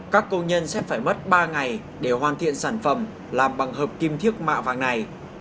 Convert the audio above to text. các công nhân sẽ phải mất ba ngày để hoàn thiện sản phẩm làm bằng hợp kim thiếc mạ vàng này